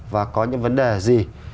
và có những vấn đề gì